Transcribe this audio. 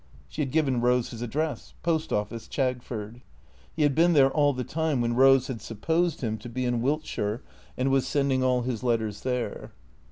She had given Eose his address. Post Office, Chagford. He had been there all the time when Eose had supposed him to be in "Wilt shire and was sending all his letters there.